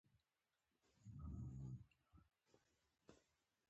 هغه خپلې مور ته زنګ وواهه او ويې واورېده.